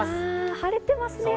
晴れていますね。